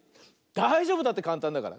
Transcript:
だいじょうぶだってかんたんだから。